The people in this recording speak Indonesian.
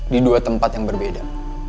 di dua tempat yang berbeda